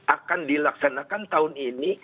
akan dilaksanakan tahun ini